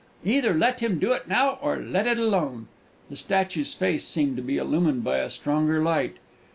Either let him do it now, or let it alone!" The statue's face seemed to be illumined by a stronger light.